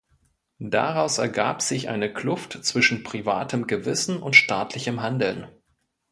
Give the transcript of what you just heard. Daraus ergab sich eine Kluft zwischen privatem Gewissen und staatlichem Handeln.